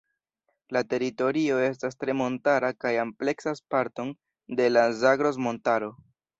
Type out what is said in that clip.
La teritorio estas tre montara kaj ampleksas parton de la Zagros-Montaro.